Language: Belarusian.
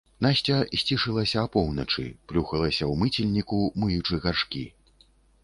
Насця сцішылася апоўначы, плюхалася ў мыцельніку, мыючы гаршкі.